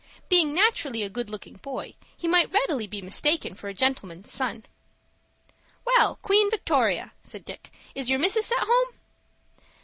Being naturally a good looking boy, he might readily be mistaken for a gentleman's son. "Well, Queen Victoria," said Dick, "is your missus at home?"